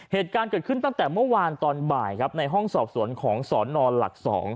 เหตุการณ์เกิดขึ้นตั้งแต่เมื่อวานตอนบ่ายครับในห้องสอบสวนของสอนอนหลัก๒